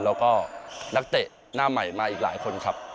แล้วก็นักเตะหน้าใหม่มาอีกหลายคนครับ